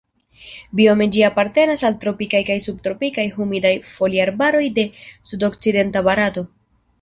Biome ĝi apartenas al tropikaj kaj subtropikaj humidaj foliarbaroj de sudokcidenta Barato.